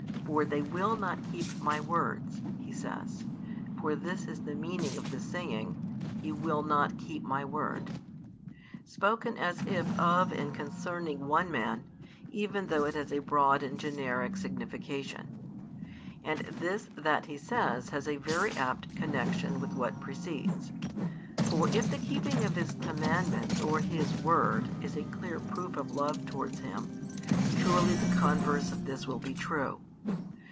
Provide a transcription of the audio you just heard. "For they will not keep My words," He says; for this is the meaning of the saying, "he will not keep My word," spoken as if of and concerning one man, even though it has a broad and generic signification. And this that He says has a very apt connexion with what precedes. For, if the keeping of His commandments or His Word is a clear proof of love towards Him, surely the converse of this will be true.